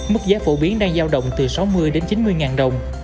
mức giá phổ biến đang giao động từ sáu mươi đến chín mươi ngàn đồng